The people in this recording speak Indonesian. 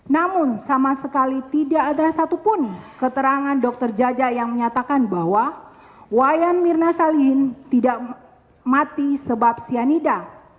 namun sama sekali tidak ada satupun keterangan dokter jaja yang menyatakan bahwa wayan mirna salihin tidak mati sebab cyanida